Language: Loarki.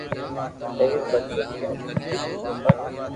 ايوہ ڀجيو ڪي او گري ھيو پر